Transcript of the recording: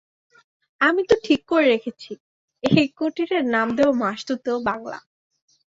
আমি তো ঠিক করে রেখেছি, এই কুটিরের নাম দেব মাসতুতো বাংলা।